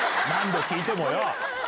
何度聞いてもよ。